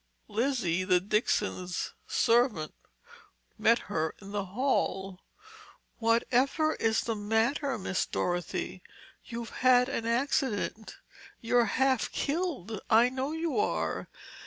Lizzie, the Dixons' servant, met her in the hall. "Whatever is the matter, Miss Dorothy? You've had an accident—you're half killed—I know you are!